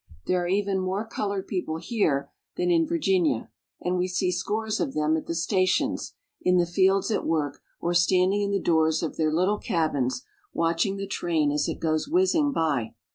There are even more colored people here than Ox in Virginia, and we see scores of them at the stations, in the fields at work, or standing in the doors of their little cabins, watching the train as it goes whizzing by.